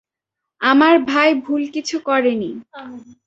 আমার ভাই ভুল কিছু করেনি!